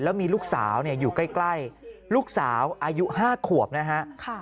แล้วมีลูกสาวอยู่ใกล้ลูกสาวอายุ๕ขวบนะฮะ